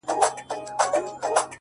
لکه څنګه چي د لمر د راختو وړانګي